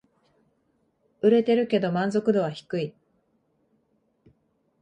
売れてるけど満足度は低い